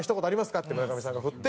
って村上さんが振って。